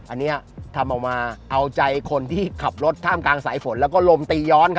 อันนี้ทำออกมาเอาใจคนที่ขับรถท่ามกลางสายฝนแล้วก็ลมตีย้อน